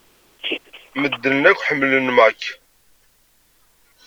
Medden akk ḥemmlen Mac.